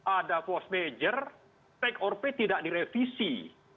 ada post major take or pay tidak direvisi